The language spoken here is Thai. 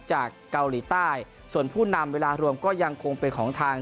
จากเกาหลีใต้ส่วนผู้นำเวลารวมก็ยังคงเป็นของทาง